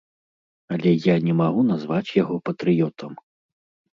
Але я не магу назваць яго патрыётам.